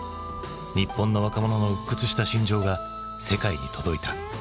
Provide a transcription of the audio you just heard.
日本の若者の鬱屈した心情が世界に届いた。